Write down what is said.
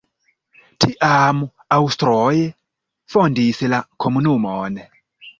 Tiam aŭstroj fondis la komunumon.